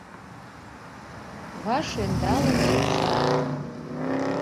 Ваш ӧндалын, шупшалыт.